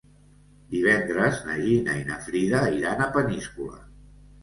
Divendres na Gina i na Frida iran a Peníscola.